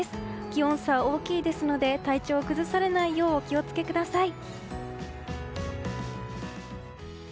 気温差が大きいですので体調を崩されないようお気を付けください。